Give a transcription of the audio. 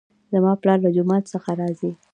زما پلار له جومات څخه راځي